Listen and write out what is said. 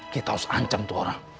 kita harus ancam tuh orang